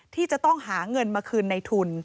ที่จะต้องหาเงินมาคืนในทุน